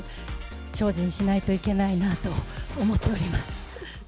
精進しないといけないなと思っております。